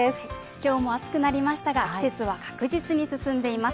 今日も暑くなりましたが季節は確実に進んでいます。